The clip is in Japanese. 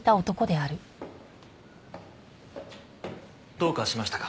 どうかしましたか？